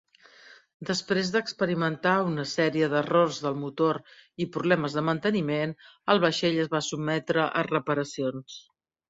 Després d'experimentar una sèrie d'errors del motor i problemes de manteniment, el vaixell es va sotmetre a reparacions.